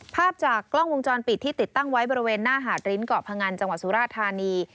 ภาพจากกล้องวงจรปิดที่ติดตั้งไว้บริเวณหน้าหาดริ้นเกาะพงันจังหวัดสุราธานี